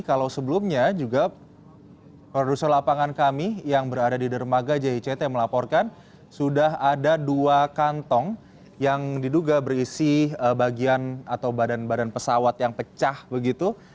kalau sebelumnya juga produser lapangan kami yang berada di dermaga jict melaporkan sudah ada dua kantong yang diduga berisi bagian atau badan badan pesawat yang pecah begitu